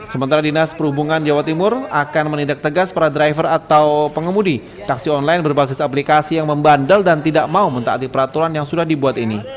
sementara dinas perhubungan jawa timur akan menindak tegas para driver atau pengemudi taksi online berbasis aplikasi yang membandel dan tidak mau mentaati peraturan yang sudah dibuat ini